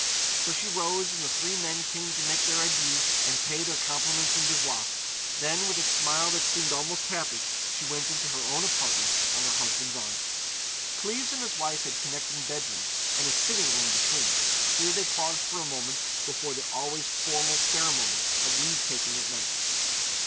So she rose and the three men came to make their adieux and pay their compliments and devoirs. Then, with a smile that seemed almost happy, she went into her own apartment on her husband's arm. Cleves and his wife had connecting bedrooms and a sitting room between. Here they paused for a moment before the always formal ceremony of leave taking at night.